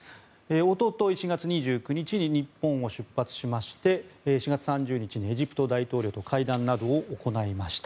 おととい４月２９日に日本を出発しまして４月３０日にエジプト大統領と会談などを行いました。